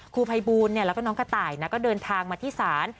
ครูไพบูลเนี่ยแล้วก็น้องกระต่ายนะก็เดินทางมาที่ศาล